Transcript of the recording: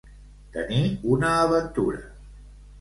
Tenir una aventura.